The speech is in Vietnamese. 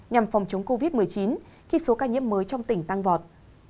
nhằm phòng chống covid một mươi chín khi số ca nhiễm mới trong tỉnh tăng vọt